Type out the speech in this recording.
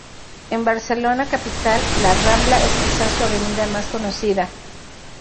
En Barcelona capital, La Rambla es quizá su avenida más conocida.